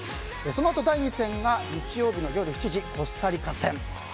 そのあと第２戦が日曜日の夜７時、コスタリカ戦。